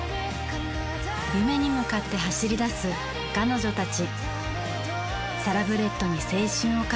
夢に向かって走り出す彼女たち。